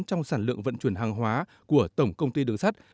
trong sản lượng vận chuyển hàng hóa của tổng công ty đường sắt